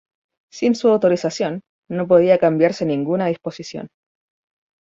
Sin su autorización no podía cambiarse ninguna disposición.